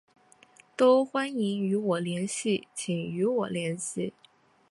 都欢迎与我联系请与我联系